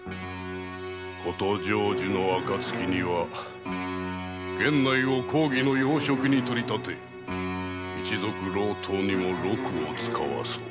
こと成就の暁には源内を公儀の要職に取り立て一族郎党にも禄を遣わそう。